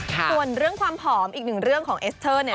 ส่วนเรื่องความผอมอีกหนึ่งเรื่องของเอสเตอร์เนี่ย